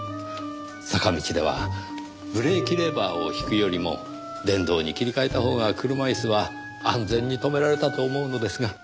坂道ではブレーキレバーを引くよりも電動に切り替えたほうが車椅子は安全に止められたと思うのですが。